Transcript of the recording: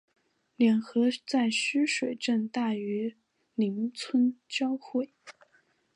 两河在须水镇大榆林村交汇。